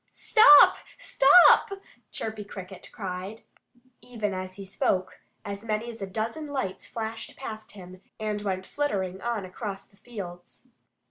"Stop! Stop!" Chirpy Cricket called. Even as he spoke, as many as a dozen lights flashed past him and went flittering on across the fields.